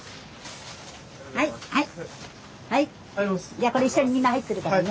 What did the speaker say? じゃこれ一緒にみんな入ってるからね。